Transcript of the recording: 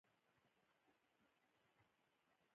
زیات عمر خوړلی نه وي.